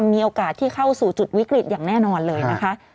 มีโอกาสที่เข้าสู่จุดวิกฤตอย่างแน่นอนเลยนะคะ